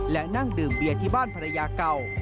และนั่งดื่มเบียนที่บ้านภรรยาเก่า